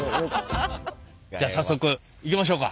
じゃあ早速行きましょうか！